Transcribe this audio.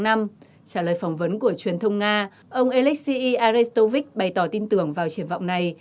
trả lời phỏng vấn của truyền thông nga ông alexei arestovych bày tỏ tin tưởng vào triển vọng này